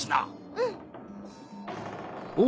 うん。